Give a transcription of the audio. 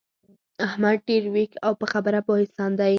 احمد ډېر ویښ او په خبره پوه انسان دی.